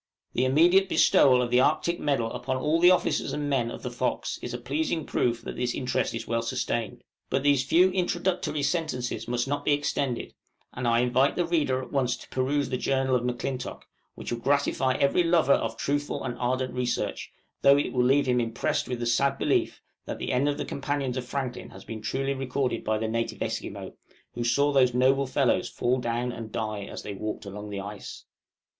The immediate bestowal of the Arctic medal upon all the officers and men of the 'Fox' is a pleasing proof that this interest is well sustained. But these few introductory sentences must not be extended; and I invite the reader at once to peruse the Journal of M'Clintock, which will gratify every lover of truthful and ardent research, though it will leave him impressed with the sad belief, that the end of the companions of Franklin has been truly recorded by the native Esquimaux, who saw these noble fellows "fall down and die as they walked along the ice."